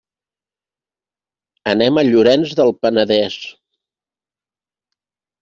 Anem a Llorenç del Penedès.